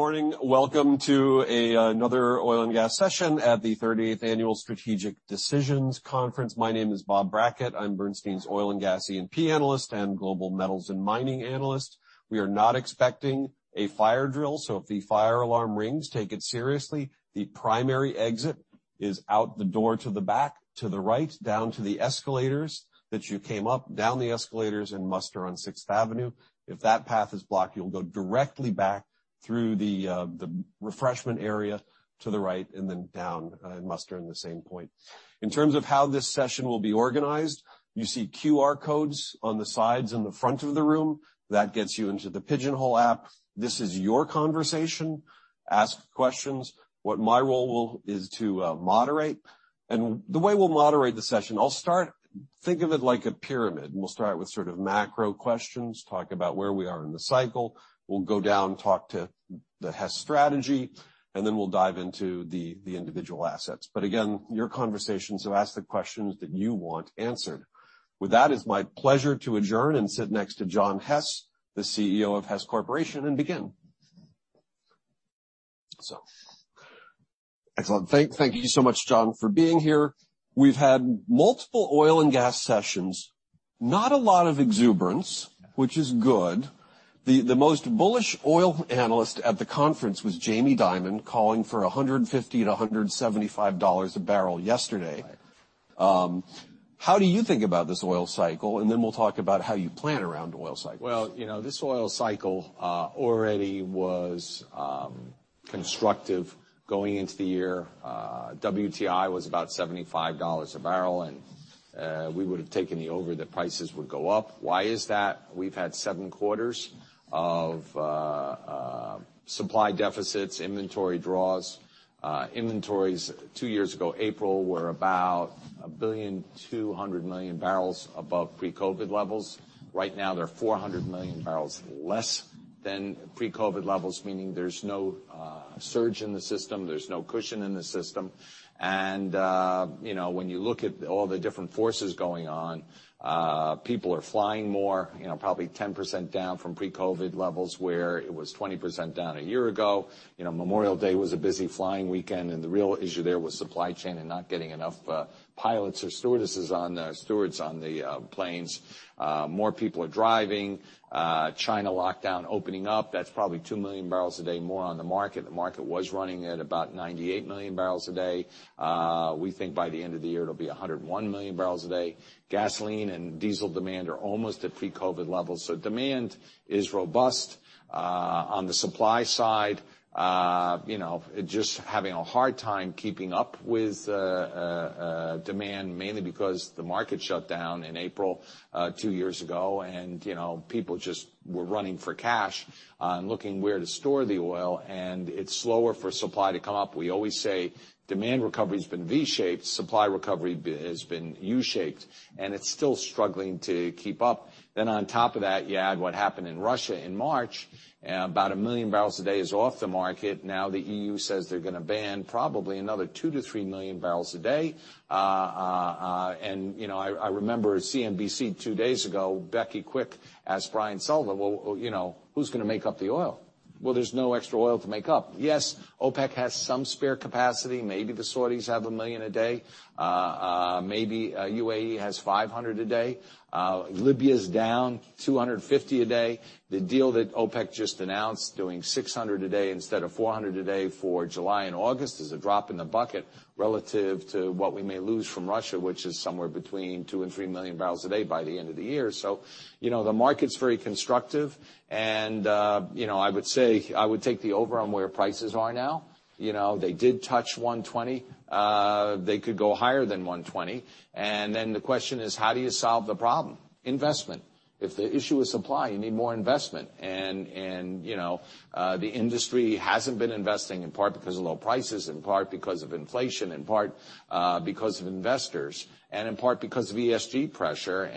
Good morning. Welcome to another oil and gas session at the 38th Annual Strategic Decisions Conference. My name is Bob Brackett. I'm Bernstein's oil and gas E&P analyst and Global Metals and Mining analyst. We are not expecting a fire drill, so if the fire alarm rings, take it seriously. The primary exit is out the door to the back, to the right, down to the escalators that you came up, down the escalators and muster on Sixth Avenue. If that path is blocked, you'll go directly back through the refreshment area to the right and then down and muster in the same point. In terms of how this session will be organized, you see QR codes on the sides in the front of the room. That gets you into the Pigeonhole app. This is your conversation. Ask questions. What my role is to moderate. The way we'll moderate the session, I'll start, think of it like a pyramid. We'll start with sort of macro questions, talk about where we are in the cycle. We'll go down, talk to the Hess strategy, and then we'll dive into the individual assets. Again, your conversation, so ask the questions that you want answered. With that, it's my pleasure to introduce and sit next to John Hess, the CEO of Hess Corporation, and begin. Excellent. Thank you so much, John, for being here. We've had multiple oil and gas sessions. Not a lot of exuberance. Which is good. The most bullish oil analyst at the conference was Jamie Dimon, calling for $150-$175 a barrel yesterday. Right. How do you think about this oil cycle? We'll talk about how you plan around oil cycles. Well, you know, this oil cycle already was constructive going into the year. WTI was about $75 a barrel, and we would have taken the over that prices would go up. Why is that? We've had seven quarters of supply deficits, inventory draws. Inventories two years ago, April, were about 1.2 billion barrels above pre-COVID levels. Right now, they're 400 million barrels less than pre-COVID levels, meaning there's no surge in the system, there's no cushion in the system. You know, when you look at all the different forces going on, people are flying more, you know, probably 10% down from pre-COVID levels, where it was 20% down a year ago. You know, Memorial Day was a busy flying weekend, and the real issue there was supply chain and not getting enough pilots or stewards on the planes. More people are driving. China lockdown opening up. That's probably two million barrels a day more on the market. The market was running at about 98 million barrels a day. We think by the end of the year, it'll be 101 million barrels a day. Gasoline and diesel demand are almost at pre-COVID levels. Demand is robust. On the supply side, you know, just having a hard time keeping up with demand, mainly because the market shut down in April two years ago. You know, people just were running for cash on looking where to store the oil, and it's slower for supply to come up. We always say demand recovery has been V-shaped, supply recovery has been U-shaped, and it's still struggling to keep up. On top of that, you add what happened in Russia in March, about one million barrels a day is off the market. Now, the EU says they're gonna ban probably another two-three million barrels a day. And, you know, I remember CNBC two days ago, Becky Quick asked Brian Sullivan, "Well, you know, who's gonna make up the oil?" Well, there's no extra oil to make up. Yes, OPEC has some spare capacity. Maybe the Saudis have a million a day. Maybe, UAE has 500 a day. Libya's down 250 a day. The deal that OPEC just announced doing 600 a day instead of 400 a day for July and August is a drop in the bucket relative to what we may lose from Russia, which is somewhere between two-three million barrels a day by the end of the year. You know, the market's very constructive. You know, I would say I would take the over on where prices are now. You know, they did touch $120. They could go higher than $120. The question is, how do you solve the problem? Investment. If the issue is supply, you need more investment. You know, the industry hasn't been investing in part because of low prices, in part because of inflation, in part because of investors, and in part because of ESG pressure.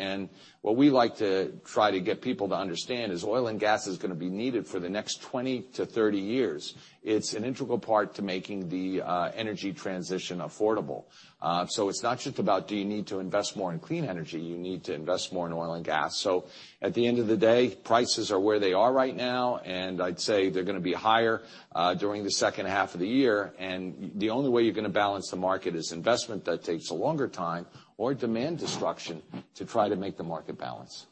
What we like to try to get people to understand is oil and gas is gonna be needed for the next 20-30 years. It's an integral part to making the energy transition affordable. It's not just about, do you need to invest more in clean energy? You need to invest more in oil and gas. At the end of the day, prices are where they are right now, and I'd say they're gonna be higher during the second half of the year. The only way you're gonna balance the market is investment that takes a longer time or demand destruction to try to make the market balance.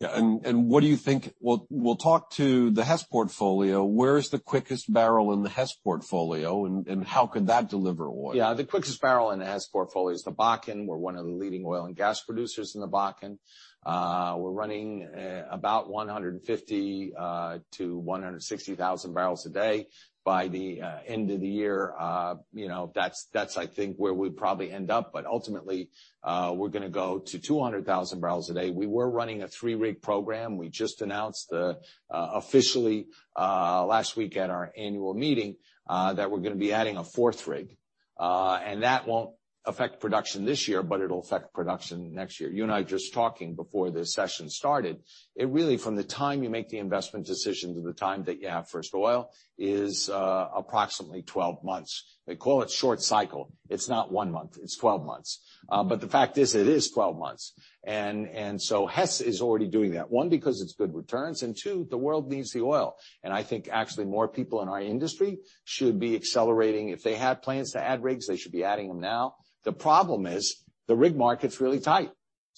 What do you think? We'll talk to the Hess portfolio. Where is the quickest barrel in the Hess portfolio, and how could that deliver oil? Yeah. The quickest barrel in the Hess portfolio is the Bakken. We're one of the leading oil and gas producers in the Bakken. We're running about 150-160 thousand barrels a day. By the end of the year, you know, that's I think where we'd probably end up. Ultimately, we're gonna go to 200,000 barrels a day. We were running a three-rig program. We just announced officially last week at our annual meeting that we're gonna be adding a fourth rig. That won't affect production this year, but it'll affect production next year. You and I just talking before this session started, it really, from the time you make the investment decisions to the time that you have first oil is approximately 12 months. They call it short cycle. It's not one month, it's 12 months. The fact is, it is 12 months. Hess is already doing that, one, because it's good returns, and two, the world needs the oil. I think actually more people in our industry should be accelerating. If they had plans to add rigs, they should be adding them now. The problem is, the rig market's really tight.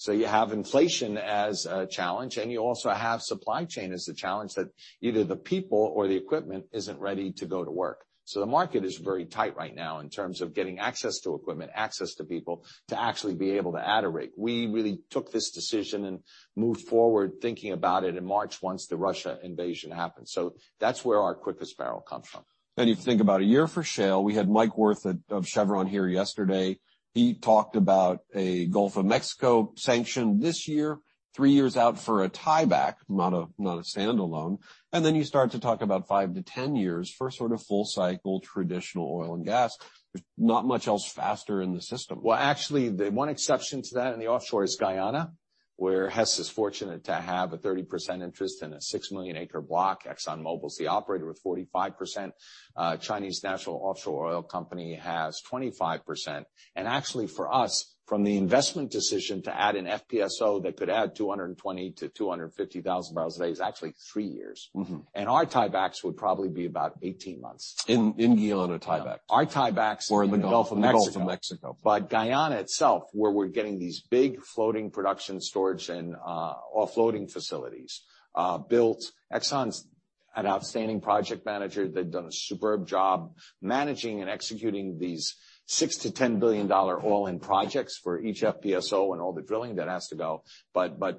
You have inflation as a challenge, and you also have supply chain as the challenge that either the people or the equipment isn't ready to go to work. The market is very tight right now in terms of getting access to equipment, access to people, to actually be able to add a rig. We really took this decision and moved forward thinking about it in March once the Russian invasion happened. That's where our quickest barrel comes from. You think about a year for shale. We had Mike Wirth of Chevron here yesterday. He talked about a Gulf of Mexico sanction this year, three years out for a tieback, not a standalone. Then you start to talk about 5-10 years for sort of full-cycle traditional oil and gas. There's not much else faster in the system. Well, actually, the one exception to that in the offshore is Guyana, where Hess is fortunate to have a 30% interest in a six-million-acre block. ExxonMobil's the operator with 45%. Chinese National Offshore Oil Company has 25%. Actually, for us, from the investment decision to add an FPSO that could add 220,000-250,000 barrels a day is actually three years. Mm-hmm. Our tiebacks would probably be about 18 months. In Guyana tieback. Our tiebacks. in the Gulf of Mexico. The Gulf of Mexico. Guyana itself, where we're getting these big floating production storage and offloading facilities built. Exxon's an outstanding project manager. They've done a superb job managing and executing these $6 billion-$10 billion oil in projects for each FPSO and all the drilling that has to go.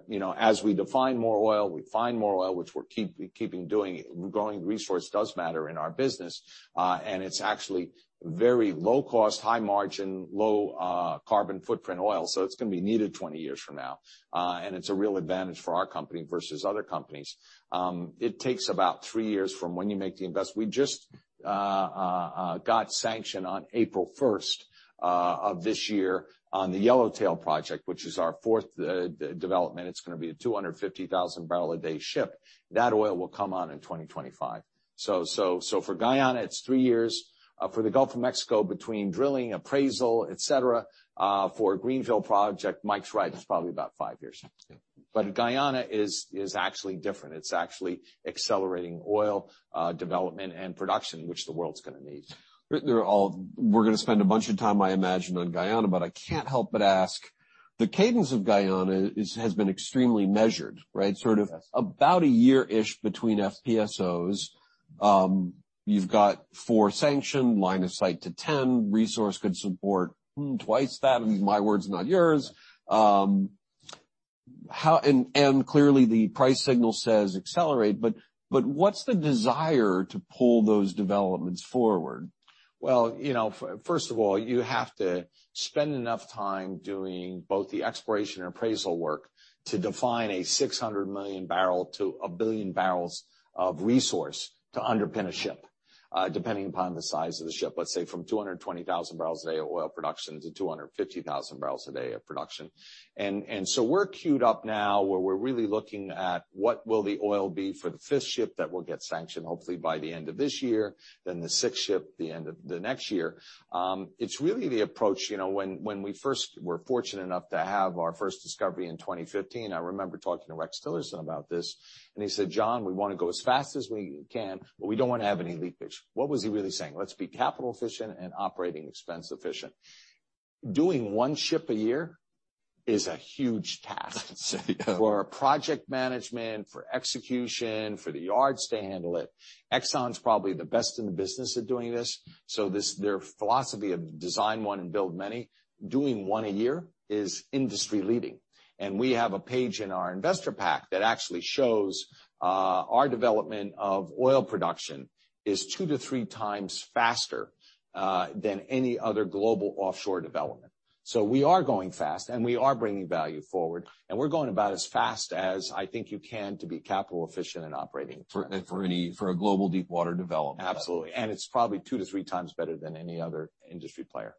You know, as we define more oil, we find more oil, which we're keeping doing. Growing resource does matter in our business, and it's actually very low cost, high margin, low carbon footprint oil, so it's gonna be needed 20 years from now. It's a real advantage for our company versus other companies. It takes about three years from when you make the investment. We just got sanction on April first of this year on the Yellowtail project, which is our fourth development. It's gonna be a 250,000-barrel-a-day ship. That oil will come on in 2025. For Guyana, it's three years. For the Gulf of Mexico, between drilling, appraisal, etc., for a greenfield project, Mike's right, it's probably about five years. Yeah. Guyana is actually different. It's actually accelerating oil development and production, which the world's gonna need. We're gonna spend a bunch of time, I imagine, on Guyana, but I can't help but ask, the cadence of Guyana is, has been extremely measured, right? Yes. Sort of about a year-ish between FPSOs. You've got four sanctioned, line of sight to 10. Resource could support twice that. My words, not yours. Clearly the price signal says accelerate, but what's the desire to pull those developments forward? Well, you know, first of all, you have to spend enough time doing both the exploration and appraisal work to define a 600 million barrel to a one billion barrels of resource to underpin a ship, depending upon the size of the ship. Let's say from 220,000 barrels a day of oil production to 250,000 barrels a day of production. We're queued up now where we're really looking at what will the oil be for the fifth ship that will get sanctioned, hopefully by the end of this year, then the sixth ship, the end of the next year. It's really the approach, you know, when we first were fortunate enough to have our first discovery in 2015, I remember talking to Rex Tillerson about this, and he said, "John, we wanna go as fast as we can, but we don't wanna have any leakage." What was he really saying? Let's be capital efficient and operating expense efficient. Doing one ship a year is a huge task. I'd say so. For project management, for execution, for the yards to handle it. Exxon’s probably the best in the business at doing this. This, their philosophy of design one and build many, doing one a year is industry-leading. We have a page in our investor pack that actually shows our development of oil production is two-three times faster than any other global offshore development. We are going fast, and we are bringing value forward, and we’re going about as fast as I think you can to be capital efficient and operating efficient. For a global deepwater development. Absolutely. It's probably two-three times better than any other industry player.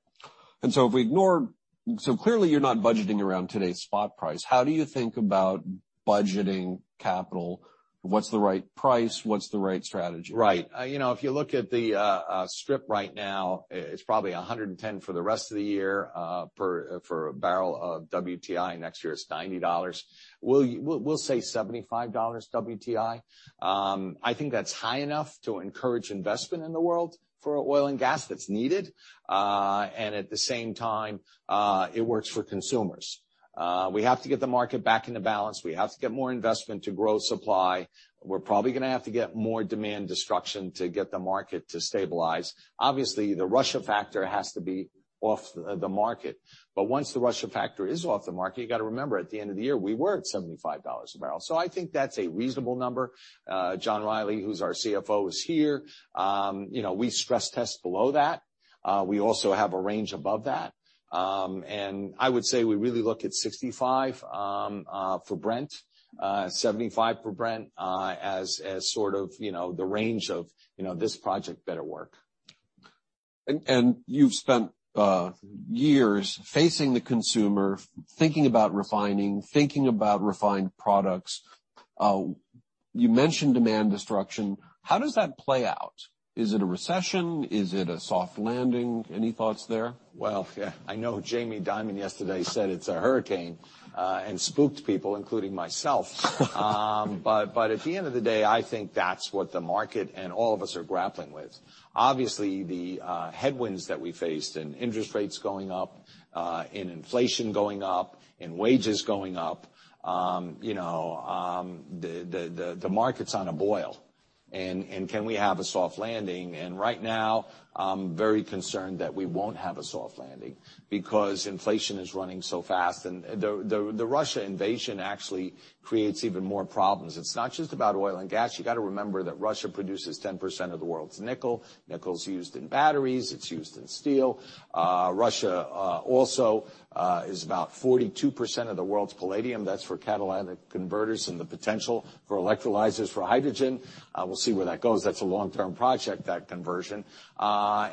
Clearly you're not budgeting around today's spot price. How do you think about budgeting capital? What's the right price? What's the right strategy? Right. You know, if you look at the strip right now, it's probably $110 for the rest of the year for a barrel of WTI. Next year it's $90. We'll say $75 WTI. I think that's high enough to encourage investment in the world for oil and gas that's needed. And at the same time, it works for consumers. We have to get the market back into balance. We have to get more investment to grow supply. We're probably gonna have to get more demand destruction to get the market to stabilize. Obviously, the Russia factor has to be off the market. Once the Russia factor is off the market, you got to remember, at the end of the year, we were at $75 a barrel. I think that's a reasonable number. John Rielly, who's our CFO, is here. You know, we stress test below that. We also have a range above that. I would say we really look at $65-$75 for Brent as sort of, you know, the range of, you know, this project better work. You've spent years facing the consumer, thinking about refining, thinking about refined products. You mentioned demand destruction. How does that play out? Is it a recession? Is it a soft landing? Any thoughts there? Well, yeah, I know Jamie Dimon yesterday said it's a hurricane and spooked people, including myself. But at the end of the day, I think that's what the market and all of us are grappling with. Obviously, the headwinds that we faced in interest rates going up, in inflation going up, in wages going up, you know, the market's on a boil. Can we have a soft landing? Right now, I'm very concerned that we won't have a soft landing because inflation is running so fast. The Russia invasion actually creates even more problems. It's not just about oil and gas. You got to remember that Russia produces 10% of the world's nickel. Nickel's used in batteries, it's used in steel. Russia also is about 42% of the world's palladium. That's for catalytic converters and the potential for electrolyzers for hydrogen. We'll see where that goes. That's a long-term project, that conversion.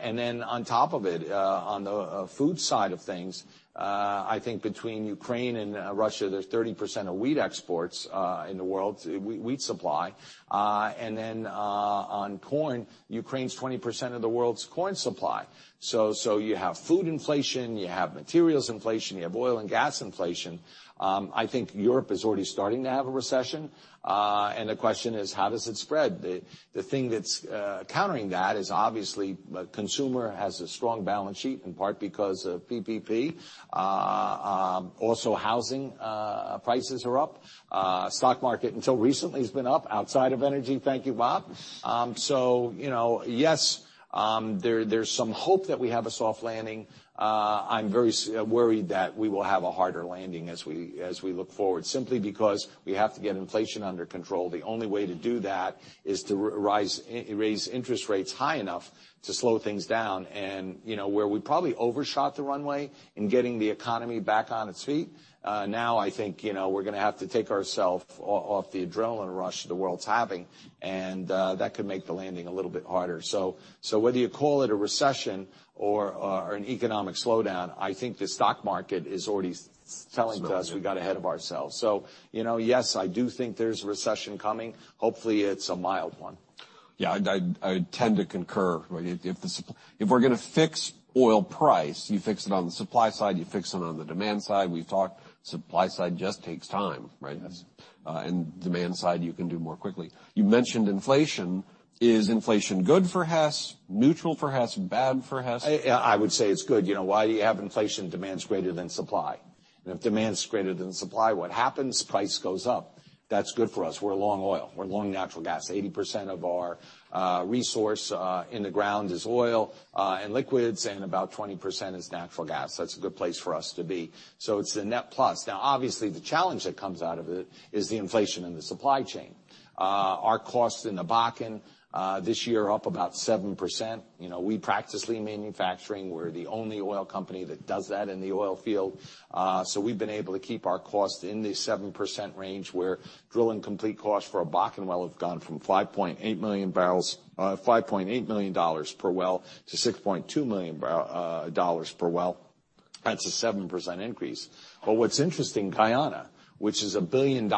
And then on top of it, on the food side of things, I think between Ukraine and Russia, there's 30% of wheat exports in the world, wheat supply. And then, on corn, Ukraine's 20% of the world's corn supply. So you have food inflation, you have materials inflation, you have oil and gas inflation. I think Europe is already starting to have a recession. And the question is, how does it spread? The thing that's countering that is obviously the consumer has a strong balance sheet, in part because of PPP. Also housing prices are up. Stock market until recently has been up outside of energy, thank you, Bob. You know, yes, there's some hope that we have a soft landing. I'm very worried that we will have a harder landing as we look forward, simply because we have to get inflation under control. The only way to do that is to raise interest rates high enough to slow things down. You know, where we probably overshot the runway in getting the economy back on its feet, now I think, you know, we're gonna have to take ourself off the adrenaline rush the world's having, and that could make the landing a little bit harder. Whether you call it a recession or an economic slowdown, I think the stock market is already selling to us. Selling, yeah. We got ahead of ourselves. You know, yes, I do think there's a recession coming. Hopefully, it's a mild one. Yeah, I'd, I tend to concur. If we're gonna fix oil price, you fix it on the supply side, you fix it on the demand side. We've talked supply side just takes time, right? Yes. Demand side, you can do more quickly. You mentioned inflation. Is inflation good for Hess, neutral for Hess, bad for Hess? I would say it's good. You know, why do you have inflation? Demand is greater than supply. If demand is greater than supply, what happens? Price goes up. That's good for us. We're long oil. We're long natural gas. 80% of our resource in the ground is oil and liquids, and about 20% is natural gas. That's a good place for us to be. It's a net plus. Now, obviously, the challenge that comes out of it is the inflation in the supply chain. Our costs in the Bakken this year are up about 7%. You know, we practice lean manufacturing. We're the only oil company that does that in the oil field. We've been able to keep our costs in the 7% range where drilling complete costs for a Bakken well have gone from $5.8 million per well to $6.2 million per well. That's a 7% increase. What's interesting, Guyana, which is $1 billion in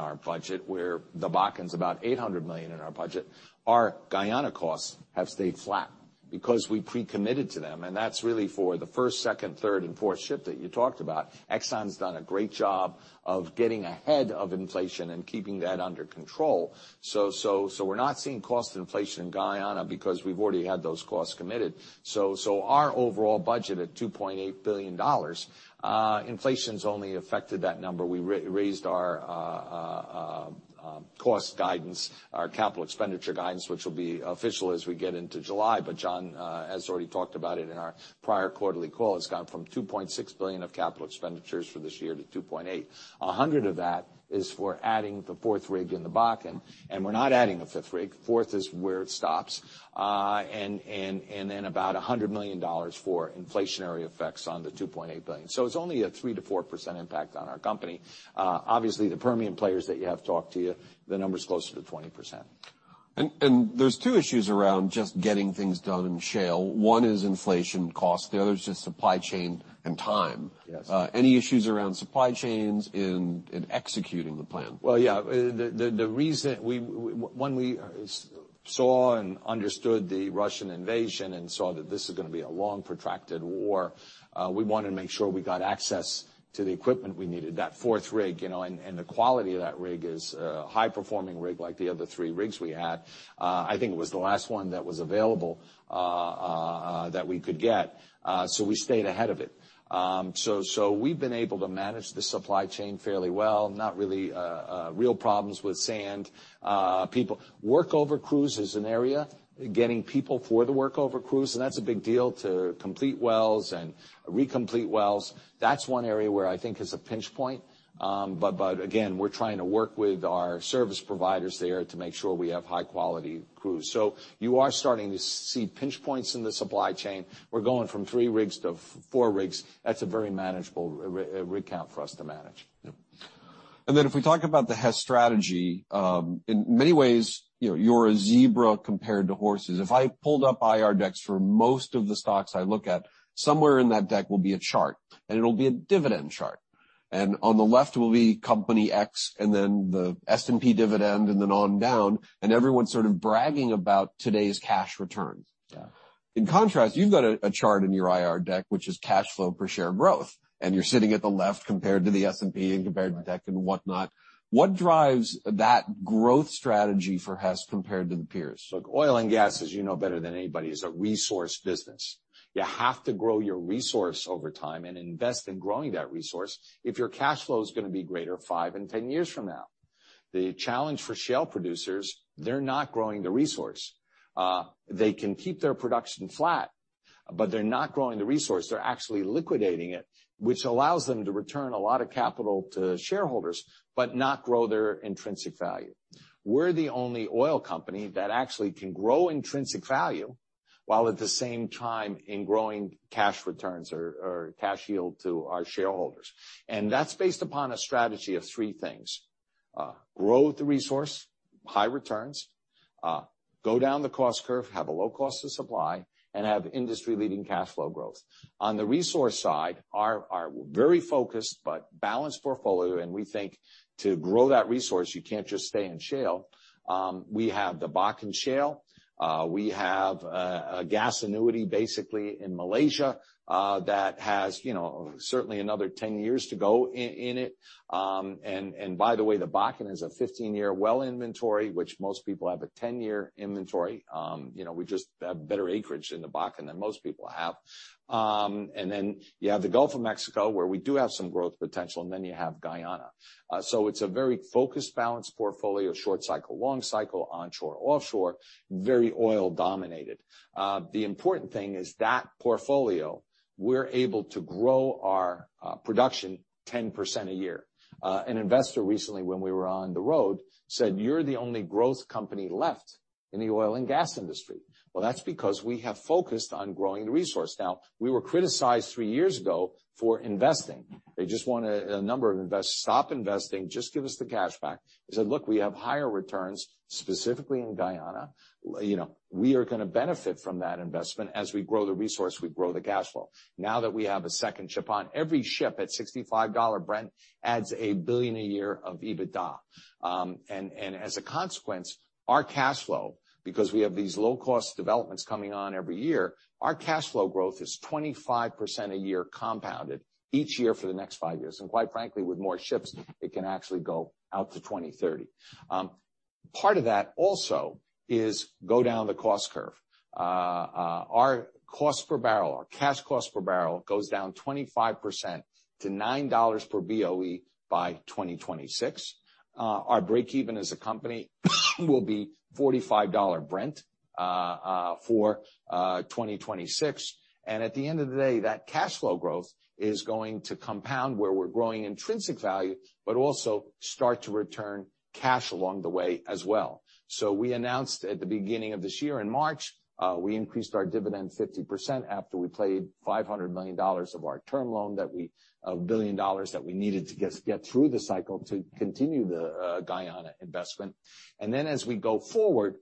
our budget, where the Bakken's about $800 million in our budget, our Guyana costs have stayed flat because we pre-committed to them, and that's really for the first, second, third, and fourth ship that you talked about. Exxon's done a great job of getting ahead of inflation and keeping that under control. We're not seeing cost inflation in Guyana because we've already had those costs committed. Our overall budget at $2.8 billion, inflation's only affected that number. We raised our cost guidance, our capital expenditure guidance, which will be official as we get into July. John has already talked about it in our prior quarterly call. It's gone from $2.6 billion of capital expenditures for this year to $2.8 billion. $100 million of that is for adding the fourth rig in the Bakken, and we're not adding a fifth rig. Fourth is where it stops. And then about $100 million for inflationary effects on the $2.8 billion. It's only a 3%-4% impact on our company. Obviously, the Permian players that you have talked to, the number's closer to 20%. There's two issues around just getting things done in shale. One is inflation cost. The other is just supply chain and time. Yes. Any issues around supply chains in executing the plan? Well, yeah. The reason, when we saw and understood the Russian invasion and saw that this is gonna be a long, protracted war, we wanted to make sure we got access to the equipment we needed. That fourth rig, you know, and the quality of that rig is a high-performing rig like the other three rigs we had. I think it was the last one that was available, that we could get. We stayed ahead of it. We've been able to manage the supply chain fairly well. Not really real problems with sand. Work over crews is an area, getting people for the work over crews, and that's a big deal to complete wells and re-complete wells. That's one area where I think is a pinch point. Again, we're trying to work with our service providers there to make sure we have high-quality crews. You are starting to see pinch points in the supply chain. We're going from three rigs to four rigs. That's a very manageable rig count for us to manage. Yeah. If we talk about the Hess strategy, in many ways, you know, you're a zebra compared to horses. If I pulled up IR decks for most of the stocks I look at, somewhere in that deck will be a chart, and it'll be a dividend chart. On the left will be company X and then the S&P dividend and then on down, and everyone's sort of bragging about today's cash returns. Yeah. In contrast, you've got a chart in your IR deck which is cash flow per share growth, and you're sitting at the left compared to the S&P and compared to tech and whatnot. What drives that growth strategy for Hess compared to the peers? Look, oil and gas, as you know better than anybody, is a resource business. You have to grow your resource over time and invest in growing that resource if your cash flow is gonna be greater five and 10 years from now. The challenge for shale producers, they're not growing the resource. They can keep their production flat, but they're not growing the resource. They're actually liquidating it, which allows them to return a lot of capital to shareholders, but not grow their intrinsic value. We're the only oil company that actually can grow intrinsic value while at the same time in growing cash returns or cash yield to our shareholders. That's based upon a strategy of three things. Grow the resource, high returns, go down the cost curve, have a low cost of supply, and have industry-leading cash flow growth. On the resource side, our very focused but balanced portfolio. We think to grow that resource, you can't just stay in shale. We have the Bakken Shale. We have a gas annuity basically in Malaysia that has you know certainly another 10 years to go in it. By the way, the Bakken is a 15-year well inventory, which most people have a 10-year inventory. You know, we just have better acreage in the Bakken than most people have. Then you have the Gulf of Mexico, where we do have some growth potential, and then you have Guyana. It's a very focused, balanced portfolio, short cycle, long cycle, onshore, offshore, very oil-dominated. The important thing is that portfolio. We're able to grow our production 10% a year. An investor recently, when we were on the road, said, "You're the only growth company left in the oil and gas industry." Well, that's because we have focused on growing the resource. Now, we were criticized three years ago for investing. They just wanted a number of investors. "Stop investing, just give us the cash back." I said, "Look, we have higher returns, specifically in Guyana. You know, we are gonna benefit from that investment. As we grow the resource, we grow the cash flow." Now that we have a second ship on, every ship at $65 Brent adds $1 billion a year of EBITDA. And as a consequence, our cash flow, because we have these low-cost developments coming on every year, our cash flow growth is 25% a year compounded each year for the next five years. Quite frankly, with more ships, it can actually go out to 2030. Part of that also is go down the cost curve. Our cost per barrel, our cash cost per barrel goes down 25% to $9 per BOE by 2026. Our break-even as a company will be $45 Brent for 2026. At the end of the day, that cash flow growth is going to compound where we're growing intrinsic value, but also start to return cash along the way as well. We announced at the beginning of this year in March, we increased our dividend 50% after we paid $500 million of our term loan, a billion dollars that we needed to get through the cycle to continue the Guyana investment. Then as we go forward,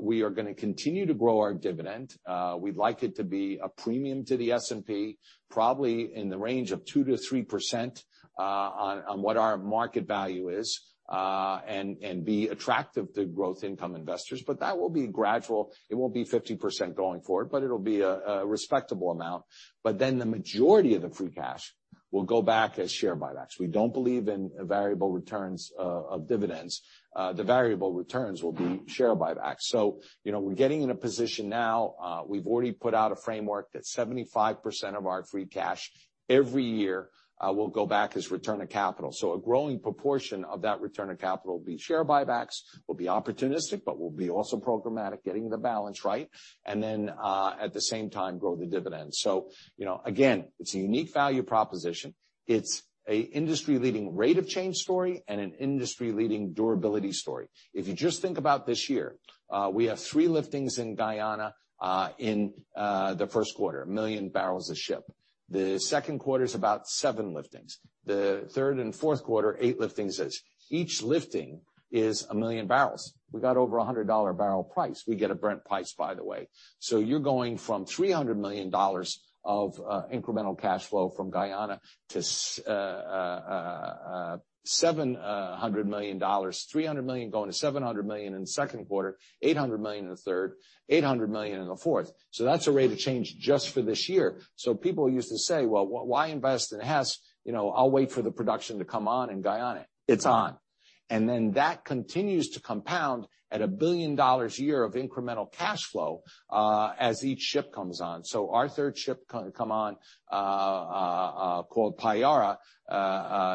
we are gonna continue to grow our dividend. We'd like it to be a premium to the S&P, probably in the range of 2%-3%, on what our market value is, and be attractive to growth income investors. That will be gradual. It won't be 50% going forward, but it'll be a respectable amount. The majority of the free cash will go back as share buybacks. We don't believe in variable returns of dividends. The variable returns will be share buybacks. You know, we're getting in a position now, we've already put out a framework that 75% of our free cash every year will go back as return to capital. A growing proportion of that return to capital will be share buybacks, will be opportunistic, but will be also programmatic, getting the balance right, and then, at the same time, grow the dividends. You know, again, it's a unique value proposition. It's an industry-leading rate of change story and an industry-leading durability story. If you just think about this year, we have three liftings in Guyana, in the first quarter, one million barrels a ship. The second quarter is about seven liftings. The third and fourth quarter, eight liftings each. Each lifting is one million barrels. We got over $100/barrel price. We get a Brent price, by the way. You're going from $300 million of incremental cash flow from Guyana to $700 million, $300 million going to $700 million in the second quarter, $800 million in the third, $800 million in the fourth. That's a rate of change just for this year. People used to say, "Well, why invest in Hess? You know, I'll wait for the production to come on in Guyana." It's on. Then that continues to compound at $1 billion a year of incremental cash flow, as each ship comes on. Our third ship comes on, called Payara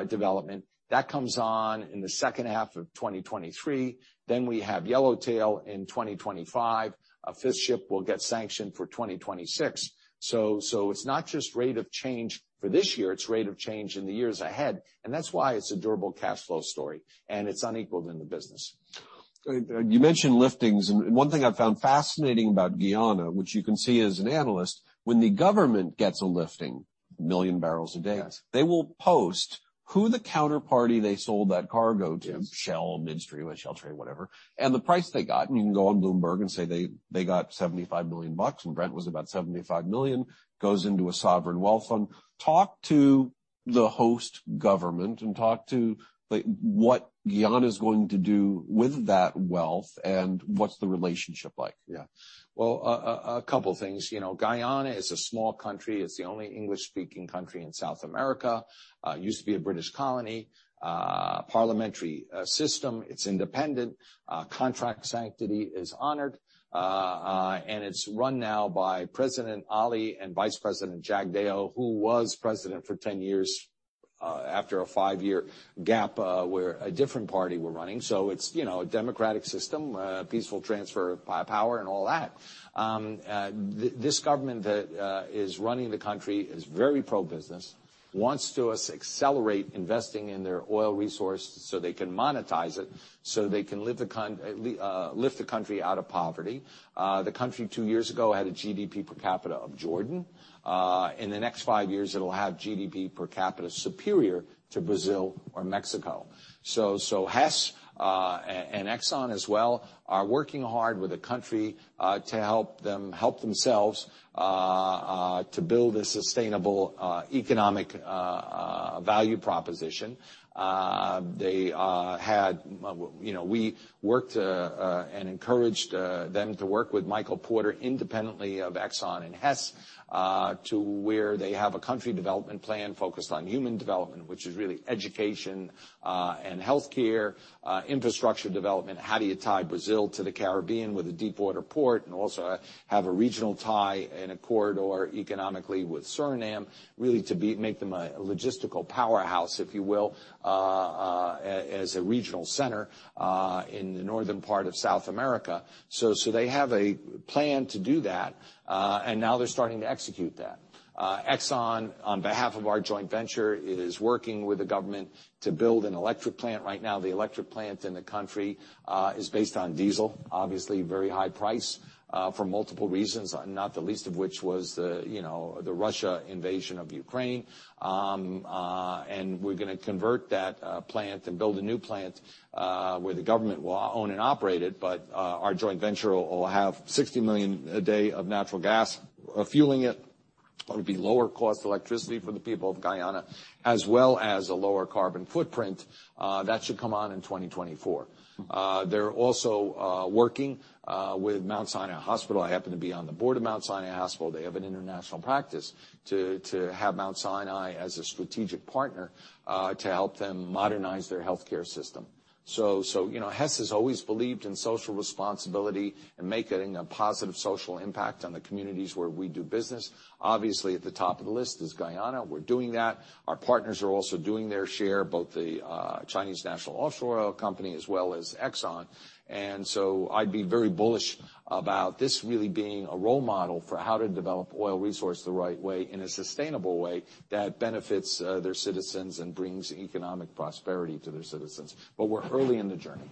development, that comes on in the second half of 2023. Then we have Yellowtail in 2025. A fifth ship will get sanctioned for 2026. It's not just rate of change for this year, it's rate of change in the years ahead, and that's why it's a durable cash flow story, and it's unequaled in the business. You mentioned liftings, and one thing I found fascinating about Guyana, which you can see as an analyst, when the government gets a lifting, one million barrels a day. Yes They will post who the counterparty they sold that cargo to. Yes Shell Midstream, or Shell Trade, whatever, and the price they got. You can go on Bloomberg and say they got $75 million bucks, and Brent was about $75 million, goes into a sovereign wealth fund. Talk to the host government and talk to like what Guyana's going to do with that wealth and what's the relationship like. Yeah. Well, a couple things. You know, Guyana is a small country. It's the only English-speaking country in South America. Used to be a British colony, parliamentary system. It's independent. Contract sanctity is honored. It's run now by President Ali and Vice President Jagdeo, who was president for 10 years, after a five-year gap, where a different party were running. It's, you know, a democratic system, peaceful transfer of power and all that. This government that is running the country is very pro-business, wants us to accelerate investing in their oil resources so they can monetize it, so they can lift the country out of poverty. The country two years ago had a GDP per capita of Jordan. In the next five years, it'll have GDP per capita superior to Brazil or Mexico. Hess and Exxon as well are working hard with the country to help them help themselves to build a sustainable economic value proposition. You know, we worked and encouraged them to work with Michael Porter independently of Exxon and Hess to where they have a country development plan focused on human development, which is really education and healthcare infrastructure development. How do you tie Brazil to the Caribbean with a deepwater port and also have a regional tie and a corridor economically with Suriname, really to make them a logistical powerhouse, if you will, as a regional center in the northern part of South America. They have a plan to do that, and now they're starting to execute that. Exxon, on behalf of our joint venture, is working with the government to build an electric plant. Right now, the electric plant in the country is based on diesel, obviously very high price for multiple reasons, not the least of which was the, you know, the Russian invasion of Ukraine. We're gonna convert that plant and build a new plant, where the government will own and operate it. Our joint venture will have 60 million a day of natural gas fueling it. It'll be lower cost electricity for the people of Guyana, as well as a lower carbon footprint that should come on in 2024. They're also working with The Mount Sinai Hospital. I happen to be on the board of Mount Sinai Hospital. They have an international practice to have Mount Sinai as a strategic partner to help them modernize their healthcare system. So, you know, Hess has always believed in social responsibility and making a positive social impact on the communities where we do business. Obviously, at the top of the list is Guyana. We're doing that. Our partners are also doing their share, both the Chinese National Offshore Oil Company as well as Exxon. I'd be very bullish about this really being a role model for how to develop oil resource the right way, in a sustainable way that benefits their citizens and brings economic prosperity to their citizens. We're early in the journey.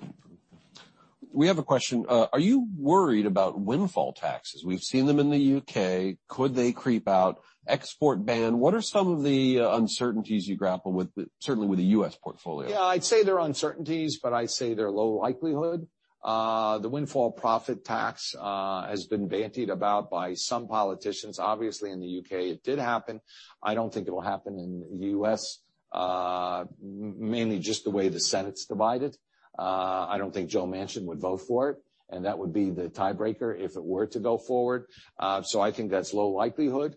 We have a question. Are you worried about windfall taxes? We've seen them in the U.K. Could they creep out? Export ban. What are some of the uncertainties you grapple with, certainly with the U.S. portfolio? Yeah. I'd say they're uncertainties, but I'd say they're low likelihood. The windfall profit tax has been bandied about by some politicians. Obviously, in the U.K., it did happen. I don't think it'll happen in the U.S., mainly just the way the Senate's divided. I don't think Joe Manchin would vote for it, and that would be the tiebreaker if it were to go forward. So I think that's low likelihood.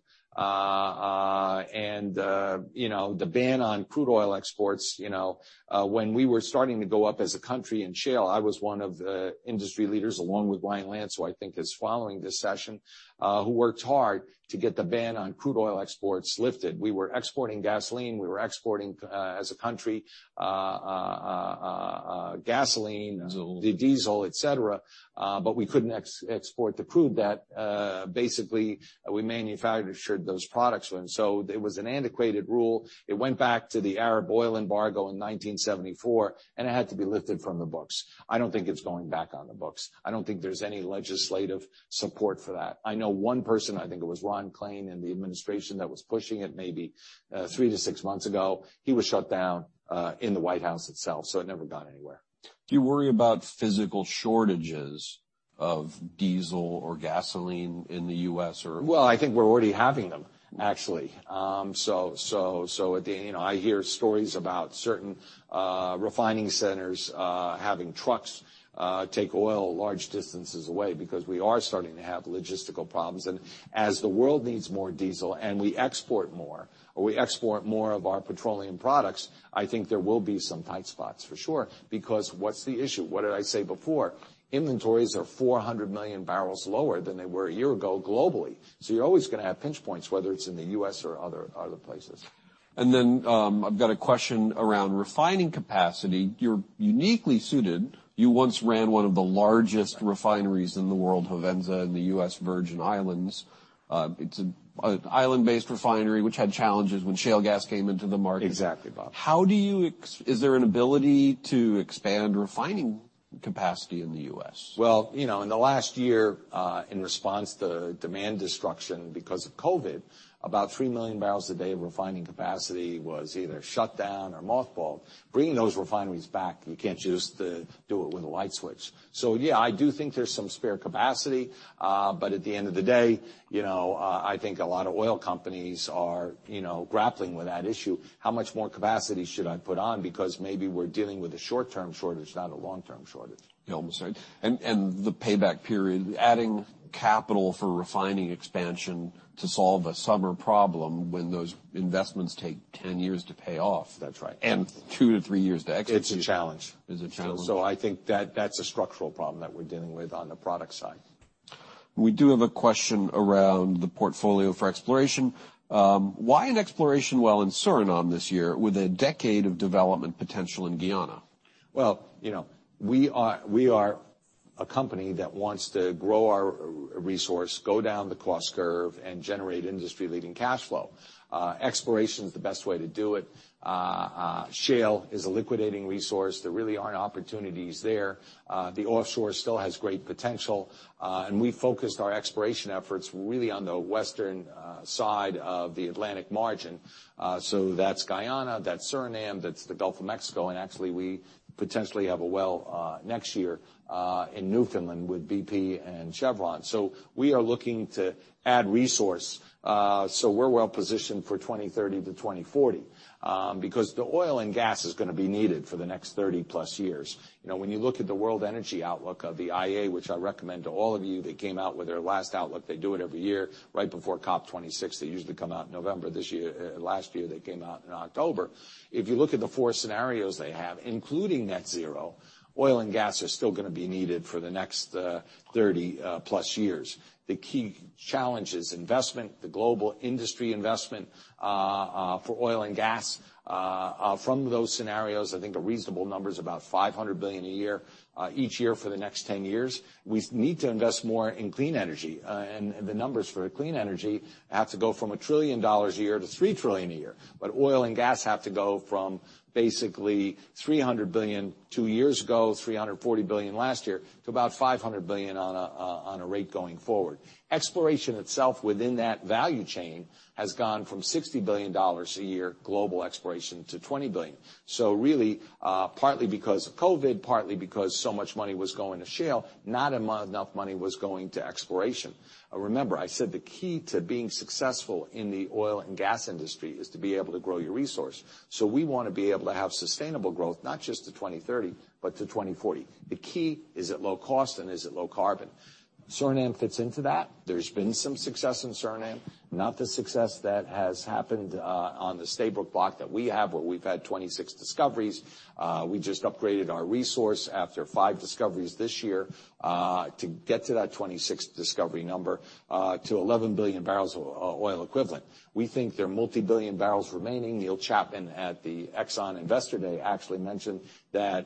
You know, the ban on crude oil exports, you know, when we were starting to go up as a country in shale, I was one of the industry leaders, along with Ryan Lance, I think, is following this session, who worked hard to get the ban on crude oil exports lifted. We were exporting gasoline. We were exporting, as a country, gasoline. Diesel The diesel, etc., but we couldn't export the crude that basically we manufactured those products with. It was an antiquated rule. It went back to the Arab oil embargo in 1974, and it had to be lifted from the books. I don't think it's going back on the books. I don't think there's any legislative support for that. I know one person, I think it was Ron Klain in the administration that was pushing it maybe three-six months ago. He was shut down in the White House itself, so it never got anywhere. Do you worry about physical shortages of diesel or gasoline in the U.S. or? Well, I think we're already having them, actually. You know, I hear stories about certain refining centers having trucks take oil large distances away because we are starting to have logistical problems. As the world needs more diesel and we export more, or we export more of our petroleum products, I think there will be some tight spots for sure. Because what's the issue? What did I say before? Inventories are 400 million barrels lower than they were a year ago globally. You're always gonna have pinch points, whether it's in the U.S. or other places. I've got a question around refining capacity. You're uniquely suited. You once ran one of the largest refineries in the world, Hovensa, in the U.S. Virgin Islands. It's an island-based refinery which had challenges when shale gas came into the market. Exactly, Bob. Is there an ability to expand refining capacity in the U.S.? Well, you know, in the last year, in response to demand destruction because of COVID, about three million barrels a day of refining capacity was either shut down or mothballed. Bringing those refineries back, you can't just do it with a light switch. Yeah, I do think there's some spare capacity. At the end of the day, you know, I think a lot of oil companies are, you know, grappling with that issue. How much more capacity should I put on? Because maybe we're dealing with a short-term shortage, not a long-term shortage. You're almost right. The payback period, adding capital for refining expansion to solve a summer problem when those investments take 10 years to pay off. That's right. Two-three years to execute. It's a challenge. It's a challenge. I think that's a structural problem that we're dealing with on the product side. We do have a question around the portfolio for exploration. Why an exploration well in Suriname this year with a decade of development potential in Guyana? Well, you know, we are a company that wants to grow our resource, go down the cost curve, and generate industry-leading cash flow. Exploration's the best way to do it. Shale is a liquidating resource. There really aren't opportunities there. The offshore still has great potential. We focused our exploration efforts really on the western side of the Atlantic margin. That's Guyana, that's Suriname, that's the Gulf of Mexico, and actually we potentially have a well next year in Newfoundland with BP and Chevron. We are looking to add resource, so we're well positioned for 2030-2040. Because the oil and gas is gonna be needed for the next 30+ years. You know, when you look at the world energy outlook of the IEA, which I recommend to all of you, they came out with their last outlook. They do it every year right before COP26. They usually come out in November. This year, last year, they came out in October. If you look at the 4 scenarios they have, including net zero, oil and gas are still gonna be needed for the next 30 plus years. The key challenge is investment, the global industry investment for oil and gas from those scenarios. I think a reasonable number is about $500 billion a year each year for the next 10 years. We need to invest more in clean energy. The numbers for clean energy have to go from $1 trillion a year to $3 trillion a year. Oil and gas have to go from basically $300 billion two years ago, $340 billion last year, to about $500 billion on a rate going forward. Exploration itself within that value chain has gone from $60 billion a year global exploration to $20 billion. Really, partly because of COVID, partly because so much money was going to shale, not enough money was going to exploration. Remember, I said the key to being successful in the oil and gas industry is to be able to grow your resource. We wanna be able to have sustainable growth, not just to 2030, but to 2040. The key is it low cost, and is it low carbon. Suriname fits into that. There's been some success in Suriname, not the success that has happened on the Stabroek Block that we have, where we've had 26 discoveries. We just upgraded our resource after five discoveries this year to get to that 26th discovery number to 11 billion barrels of oil equivalent. We think there are multi-billion barrels remaining. Neil Chapman at the Exxon Investor Day actually mentioned that,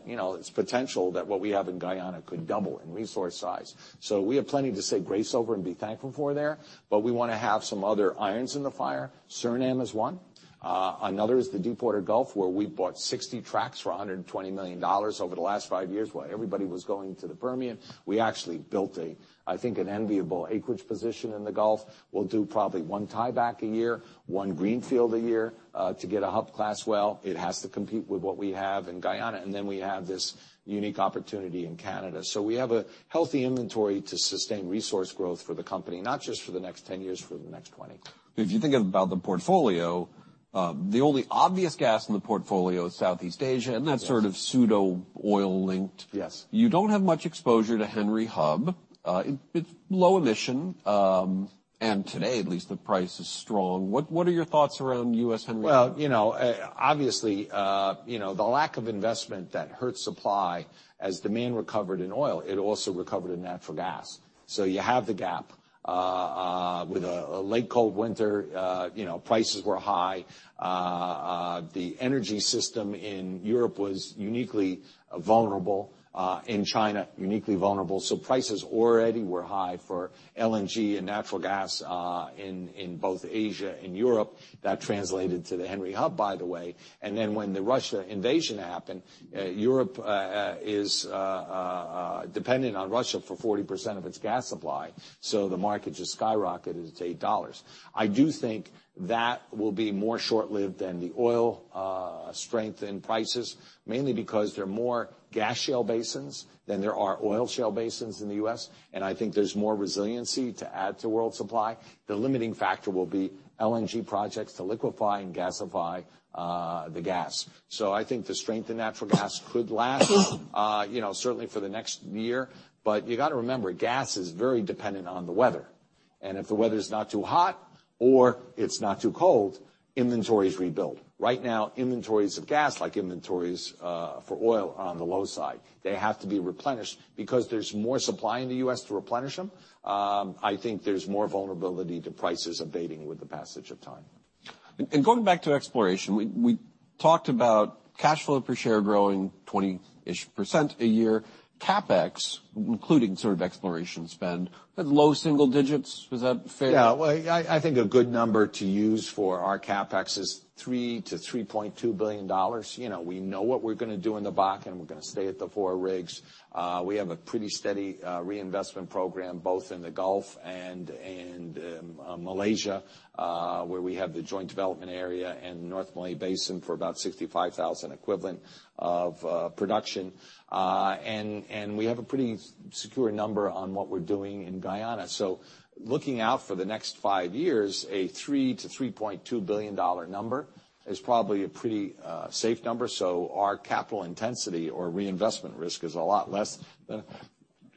you know, it's the potential that what we have in Guyana could double in resource size. We have plenty to say grace over and be thankful for there, but we wanna have some other irons in the fire. Suriname is one. Another is the Deepwater Gulf, where we bought 60 tracts for $120 million over the last five years while everybody was going to the Permian. We actually built, I think, an enviable acreage position in the Gulf. We'll do probably one tieback a year, one greenfield a year, to get a hub class well. It has to compete with what we have in Guyana. We have this unique opportunity in Canada. We have a healthy inventory to sustain resource growth for the company, not just for the next 10 years, for the next 20. If you think about the portfolio, the only obvious gas in the portfolio is Southeast Asia. Yes. That's sort of pseudo oil linked. Yes. You don't have much exposure to Henry Hub. It's low emission, and today at least the price is strong. What are your thoughts around U.S. Henry Hub? Well, you know, obviously, you know, the lack of investment that hurts supply as demand recovered in oil, it also recovered in natural gas. You have the gap. With a late cold winter, you know, prices were high. The energy system in Europe was uniquely vulnerable, in China, uniquely vulnerable. Prices already were high for LNG and natural gas, in both Asia and Europe. That translated to the Henry Hub, by the way. When the Russian invasion happened, Europe is dependent on Russia for 40% of its gas supply. The market just skyrocketed to $8. I do think that will be more short-lived than the oil strength in prices, mainly because there are more gas shale basins than there are oil shale basins in the U.S., and I think there's more resiliency to add to world supply. The limiting factor will be LNG projects to liquefy and gasify the gas. I think the strength in natural gas could last, you know, certainly for the next year. You got to remember, gas is very dependent on the weather. If the weather's not too hot or it's not too cold, inventories rebuild. Right now, inventories of gas, like inventories for oil, are on the low side. They have to be replenished. Because there's more supply in the U.S. to replenish them, I think there's more vulnerability to prices abating with the passage of time. Going back to exploration, we talked about cash flow per share growing 20% a year. CapEx, including sort of exploration spend, at low single digits. Is that fair? Well, I think a good number to use for our CapEx is $3-$3.2 billion. You know, we know what we're gonna do in the Bakken. We're gonna stay at the four rigs. We have a pretty steady reinvestment program, both in the Gulf and Malaysia, where we have the joint development area and North Malay Basin for about 65,000 equivalent of production. And we have a pretty secure number on what we're doing in Guyana. Looking out for the next five years, a $3-$3.2 billion number is probably a pretty safe number. Our capital intensity or reinvestment risk is a lot less than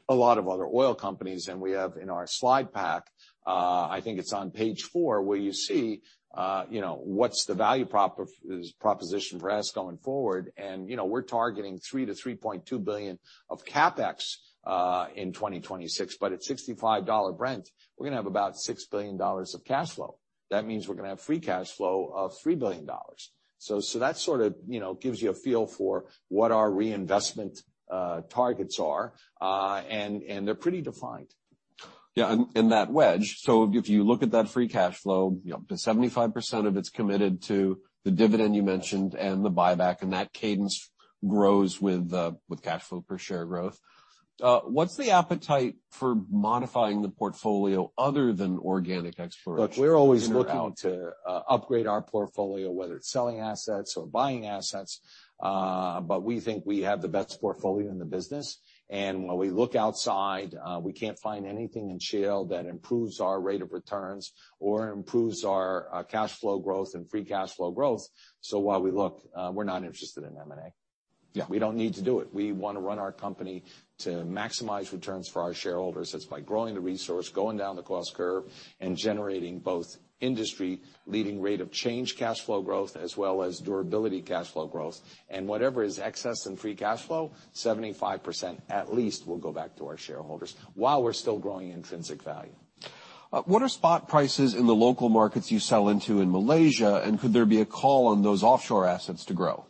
a lot of other oil companies. We have in our slide pack. I think it's on page four where you see, you know, what's the value proposition for us going forward. You know, we're targeting $3-3.2 billion of CapEx in 2026. At $65 Brent, we're gonna have about $6 billion of cash flow. That means we're gonna have free cash flow of $3 billion. That sort of, you know, gives you a feel for what our reinvestment targets are, and they're pretty defined. That wedge, so if you look at that free cash flow, you know, the 75% of it's committed to the dividend you mentioned and the buyback, and that cadence grows with cash flow per share growth. What's the appetite for modifying the portfolio other than organic exploration? Look, we're always. In or out? Looking to upgrade our portfolio, whether it's selling assets or buying assets. We think we have the best portfolio in the business. When we look outside, we can't find anything in shale that improves our rate of returns or improves our cash flow growth and free cash flow growth. While we look, we're not interested in M&A. Yeah. We don't need to do it. We wanna run our company to maximize returns for our shareholders. That's by growing the resource, going down the cost curve, and generating both industry leading rate of change cash flow growth as well as durability cash flow growth. Whatever is excess in free cash flow, 75% at least will go back to our shareholders while we're still growing intrinsic value. What are spot prices in the local markets you sell into in Malaysia, and could there be a call on those offshore assets to grow?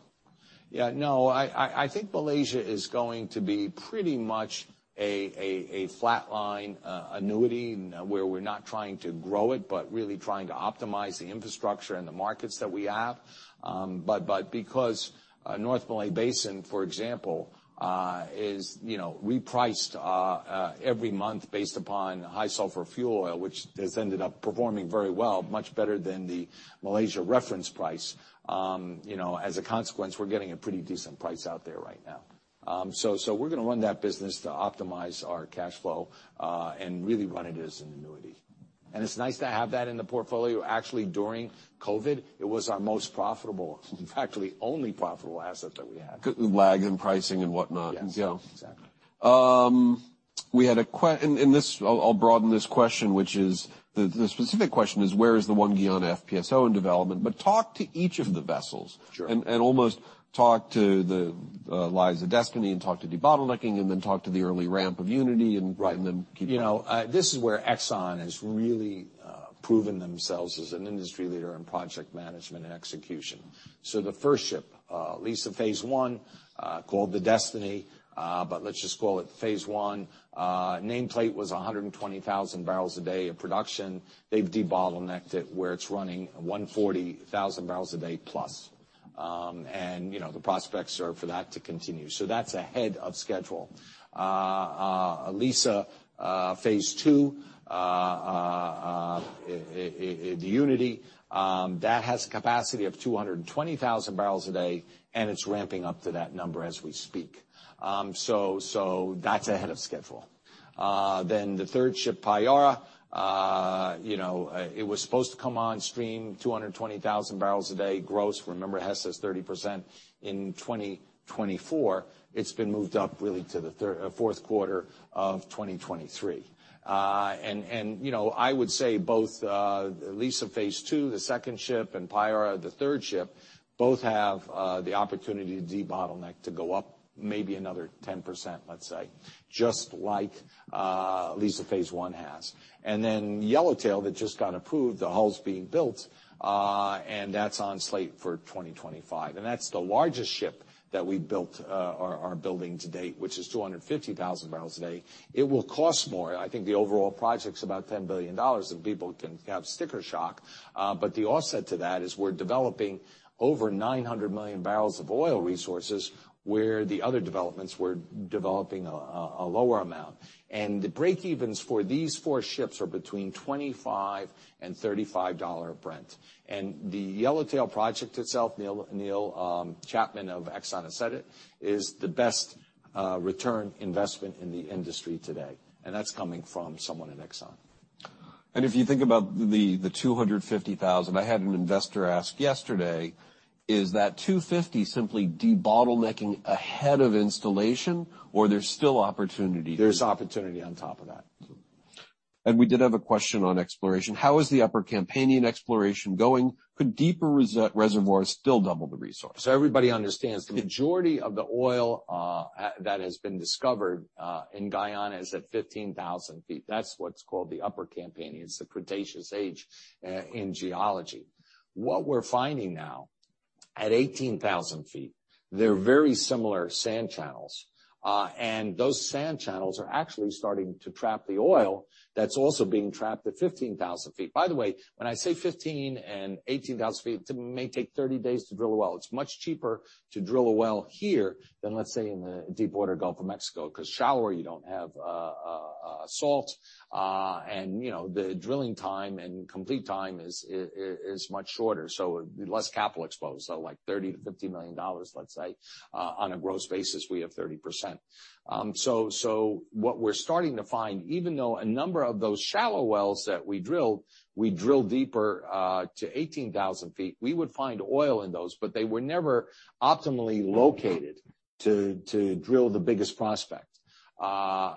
Yeah, no. I think Malaysia is going to be pretty much a flat line, annuity where we're not trying to grow it, but really trying to optimize the infrastructure and the markets that we have. Because North Malay Basin, for example, is, you know, repriced every month based upon high sulfur fuel oil, which has ended up performing very well, much better than the Malaysia reference price, you know, as a consequence, we're getting a pretty decent price out there right now. We're gonna run that business to optimize our cash flow, and really run it as an annuity. It's nice to have that in the portfolio. Actually, during COVID, it was our most profitable, in fact, the only profitable asset that we had. Lag in pricing and whatnot. Yes. Yeah. Exactly. I'll broaden this question. The specific question is, where is the ONE GUYANA FPSO in development? Talk to each of the vessels. Sure. Almost talk to the Liza Destiny and talk to debottlenecking, and then talk to the early ramp of Unity and, Right Keep going. You know, this is where Exxon has really proven themselves as an industry leader in project management and execution. The first ship, Liza Phase I, called the Destiny, but let's just call it Phase I. Nameplate was 120,000 barrels a day of production. They've debottlenecked it where it's running 140,000 barrels a day plus. You know, the prospects are for that to continue. That's ahead of schedule. Liza Phase II, the Unity, that has capacity of 220,000 barrels a day, and it's ramping up to that number as we speak. That's ahead of schedule. The third ship, Payara, you know, it was supposed to come on stream 220,000 barrels a day gross. Remember Hess has 30% in 2024. It's been moved up really to the fourth quarter of 2023. You know, I would say both Liza Phase II, the second ship, and Payara, the third ship, both have the opportunity to debottleneck to go up maybe another 10%, let's say, just like Liza Phase I has. Yellowtail that just got approved, the hull's being built, and that's on slate for 2025. That's the largest ship that we are building to date, which is 250,000 barrels a day. It will cost more. I think the overall project's about $10 billion, and people can have sticker shock. The offset to that is we're developing over 900 million barrels of oil resources, where the other developments we're developing a lower amount. The break evens for these four ships are between 25- and 35-dollar Brent. The Yellowtail project itself, Neil Chapman of Exxon, has said it is the best return investment in the industry today, and that's coming from someone at Exxon. If you think about the 250,000, I had an investor ask yesterday, is that 250 simply debottlenecking ahead of installation or there's still opportunity? There's opportunity on top of that. We did have a question on exploration. How is the Upper Campanian exploration going? Could deeper reservoirs still double the resource? Everybody understands the majority of the oil that has been discovered in Guyana is at 15,000 feet. That's what's called the Upper Campanian. It's the Cretaceous age in geology. What we're finding now at 18,000 feet, they're very similar sand channels. Those sand channels are actually starting to trap the oil that's also being trapped at 15,000 feet. By the way, when I say 15,000 and 18,000 feet, it may take 30 days to drill a well. It's much cheaper to drill a well here than, let's say, in the deep water Gulf of Mexico, 'cause shallower, you don't have salt. You know, the drilling time and complete time is much shorter, so less capital exposed. Like $30 million-$50 million, let's say. On a gross basis, we have 30%. What we're starting to find, even though a number of those shallow wells that we drilled, we drill deeper to 18,000 feet, we would find oil in those, but they were never optimally located to drill the biggest prospect.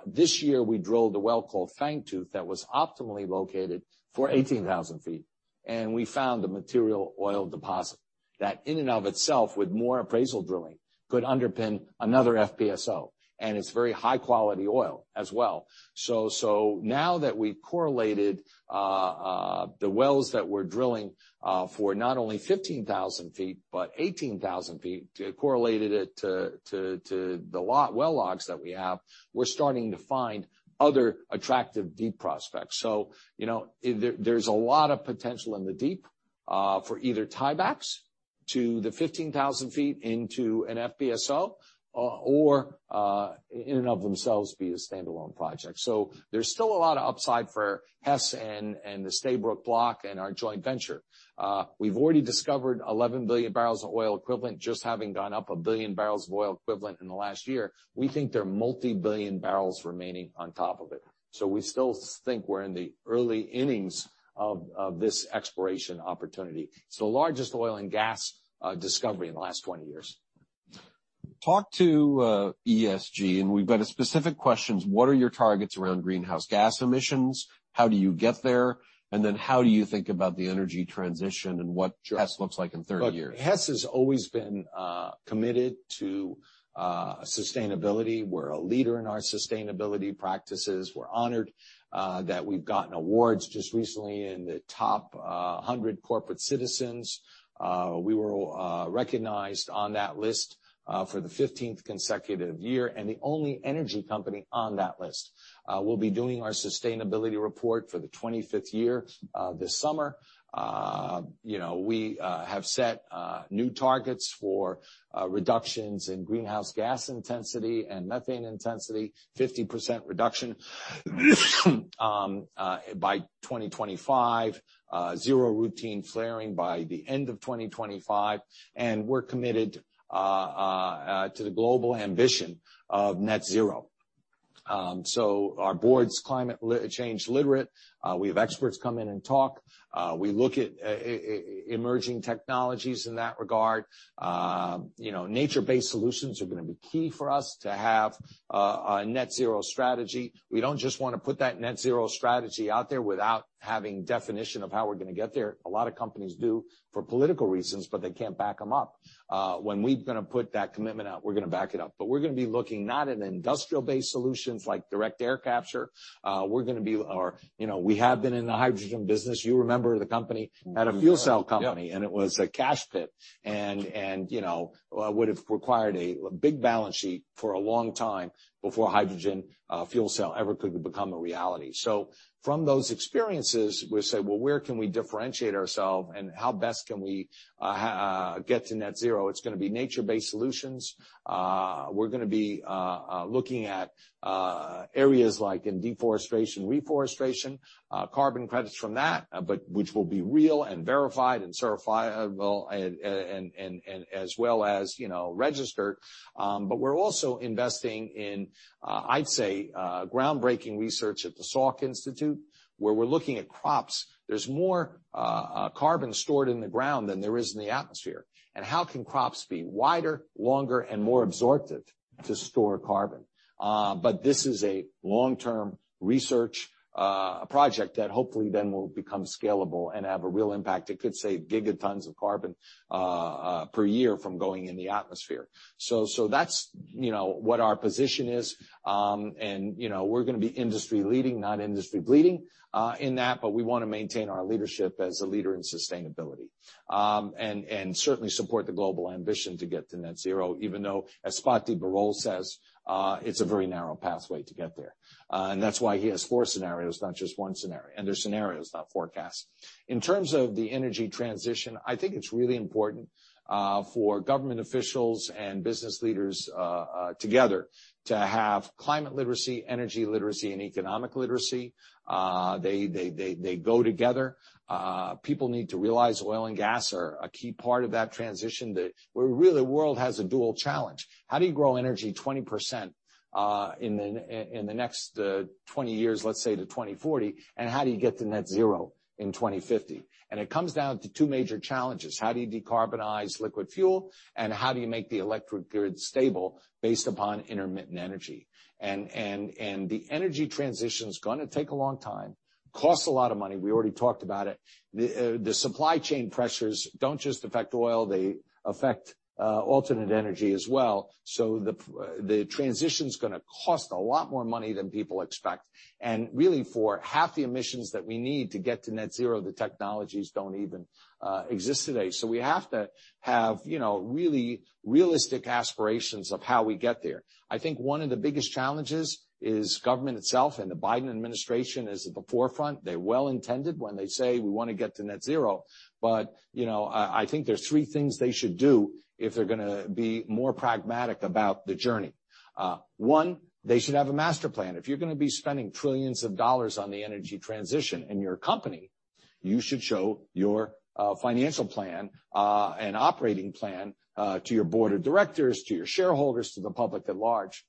This year we drilled a well called Fangtooth that was optimally located for 18,000 feet, and we found a material oil deposit that in and of itself, with more appraisal drilling, could underpin another FPSO. It's very high-quality oil as well. Now that we've correlated the wells that we're drilling for not only 15,000 feet but 18,000 feet, correlated it to the well logs that we have, we're starting to find other attractive deep prospects. You know, there's a lot of potential in the deep for either tiebacks to the 15,000 feet into an FPSO or in and of themselves be a standalone project. There's still a lot of upside for Hess and the Stabroek Block and our joint venture. We've already discovered 11 billion barrels of oil equivalent, just having gone up one billion barrels of oil equivalent in the last year. We think there are multi-billion barrels remaining on top of it. We still think we're in the early innings of this exploration opportunity. It's the largest oil and gas discovery in the last 20 years. Talk to ESG, and we've got specific questions. What are your targets around greenhouse gas emissions? How do you get there? How do you think about the energy transition and what, Sure. Hess looks like in 30 years? Look, Hess has always been committed to sustainability. We're a leader in our sustainability practices. We're honored that we've gotten awards just recently in the top hundred corporate citizens. We were recognized on that list for the 15th consecutive year, and the only energy company on that list. We'll be doing our sustainability report for the 25th year this summer. You know, we have set new targets for reductions in greenhouse gas intensity and methane intensity, 50% reduction by 2025, zero routine flaring by the end of 2025, and we're committed to the global ambition of net zero. So our board's climate change literate. We have experts come in and talk. We look at emerging technologies in that regard. You know, nature-based solutions are gonna be key for us to have a net zero strategy. We don't just wanna put that net zero strategy out there without having definition of how we're gonna get there. A lot of companies do for political reasons, but they can't back them up. When we're gonna put that commitment out, we're gonna back it up. We're gonna be looking not at industrial-based solutions like direct air capture. You know, we have been in the hydrogen business. You remember the company had a fuel cell company. Yeah. It was a cash pit and, you know, would have required a big balance sheet for a long time before hydrogen fuel cell ever could become a reality. From those experiences, we say, "Well, where can we differentiate ourselves, and how best can we get to net zero?" It's gonna be nature-based solutions. We're gonna be looking at areas like in deforestation, reforestation, carbon credits from that, but which will be real and verified and certifiable, and as well as, you know, registered. But we're also investing in, I'd say, groundbreaking research at the Salk Institute, where we're looking at crops. There's more carbon stored in the ground than there is in the atmosphere. How can crops be wider, longer, and more absorptive to store carbon? This is a long-term research project that hopefully then will become scalable and have a real impact. It could save gigatons of carbon per year from going in the atmosphere. That's, you know, what our position is. You know, we're gonna be industry leading, not industry bleeding, in that, but we wanna maintain our leadership as a leader in sustainability. Certainly support the global ambition to get to net zero, even though, as Fatih Birol says, it's a very narrow pathway to get there. That's why he has four scenarios, not just one scenario. They're scenarios, not forecasts. In terms of the energy transition, I think it's really important for government officials and business leaders together to have climate literacy, energy literacy, and economic literacy. They go together. People need to realize oil and gas are a key part of that transition. The world has a dual challenge. How do you grow energy 20%, in the next 20 years, let's say to 2040, and how do you get to net zero in 2050? It comes down to two major challenges. How do you decarbonize liquid fuel, and how do you make the electric grid stable based upon intermittent energy. The energy transition's gonna take a long time, costs a lot of money. We already talked about it. The supply chain pressures don't just affect oil, they affect alternate energy as well. The transition's gonna cost a lot more money than people expect. Really, for half the emissions that we need to get to net zero, the technologies don't even exist today. So we have to have, you know, really realistic aspirations of how we get there. I think one of the biggest challenges is government itself and the Biden administration is at the forefront. They're well-intended when they say we wanna get to net zero. You know, I think there's three things they should do if they're gonna be more pragmatic about the journey. One, they should have a master plan. If you're gonna be spending trillions of dollar on the energy transition in your company, you should show your financial plan and operating plan to your board of directors, to your shareholders, to the public at large.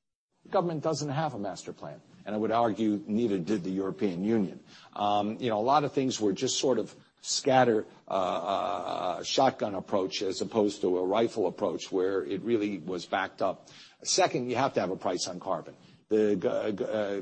Government doesn't have a master plan, and I would argue neither did the European Union. You know, a lot of things were just sort of scattered, a shotgun approach as opposed to a rifle approach, where it really was backed up. Second, you have to have a price on carbon. The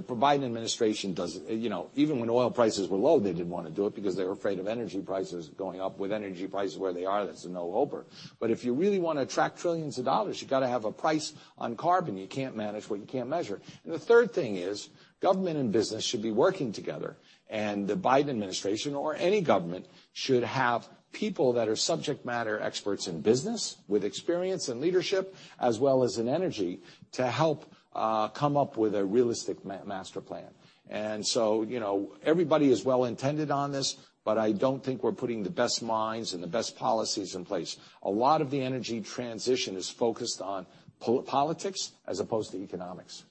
Biden administration does. You know, even when oil prices were low, they didn't wanna do it because they were afraid of energy prices going up. With energy prices where they are, that's a no-brainer. But if you really wanna attract trillions of dollars, you got to have a price on carbon. You can't manage what you can't measure. The third thing is government and business should be working together. The Biden administration or any government should have people that are subject matter experts in business with experience and leadership, as well as in energy to help come up with a realistic master plan. You know, everybody is well-intended on this, but I don't think we're putting the best minds and the best policies in place. A lot of the energy transition is focused on politics as opposed to economics.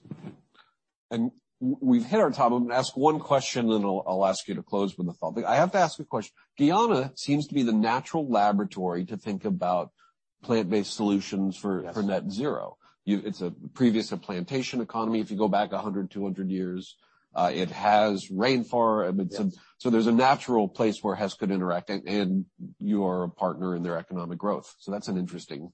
We've hit our time. I'm gonna ask one question, then I'll ask you to close with a thought. I have to ask a question. Guyana seems to be the natural laboratory to think about plant-based solutions for. Yes. for net zero. It's previously a plantation economy, if you go back 100-200 years. It has rainforest. Yes. There's a natural place where Hess could interact, and you are a partner in their economic growth. That's an interesting.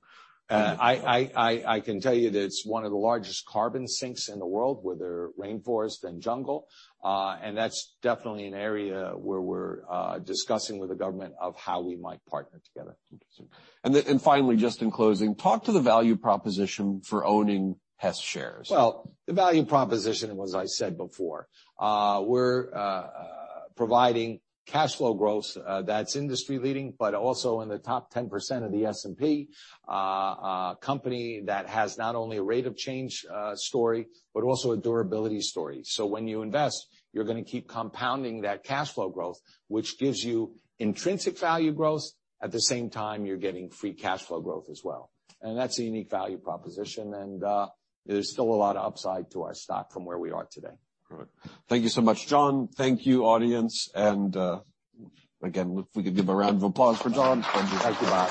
I can tell you that it's one of the largest carbon sinks in the world, with their rainforest and jungle. That's definitely an area where we're discussing with the government of how we might partner together. Interesting. Finally, just in closing, talk to the value proposition for owning Hess shares. Well, the value proposition was I said before. We're providing cash flow growth that's industry leading, but also in the top 10% of the S&P. A company that has not only a rate of change story, but also a durability story. When you invest, you're gonna keep compounding that cash flow growth, which gives you intrinsic value growth. At the same time, you're getting free cash flow growth as well. That's a unique value proposition. There's still a lot of upside to our stock from where we are today. All right. Thank you so much, John. Thank you, audience. Again, if we could give a round of applause for John. Thank you. Bye.